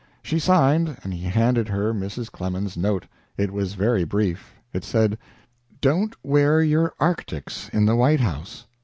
She signed, and he handed her Mrs. Clemens's note. It was very brief. It said, "Don't wear your arctics in the White House."